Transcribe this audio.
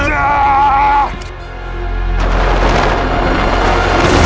kau akan dihukum